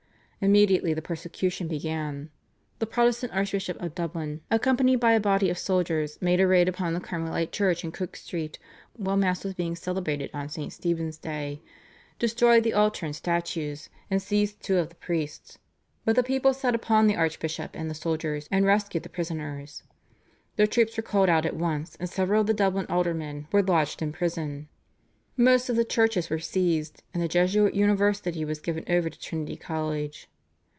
Immediately the persecution began. The Protestant Archbishop of Dublin, accompanied by a body of soldiers, made a raid upon the Carmelite Church in Cook Street while Mass was being celebrated on St. Stephen's Day, destroyed the altar and statues, and seized two of the priests; but the people set upon the archbishop and the soldiers, and rescued the prisoners. The troops were called out at once, and several of the Dublin aldermen were lodged in prison. Most of the churches were seized, and the Jesuit University was given over to Trinity College.